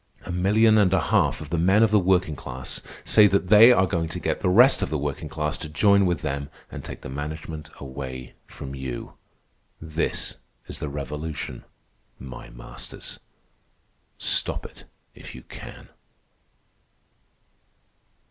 A million and a half of the men of the working class say that they are going to get the rest of the working class to join with them and take the management away from you. This is the revolution, my masters. Stop it if you can."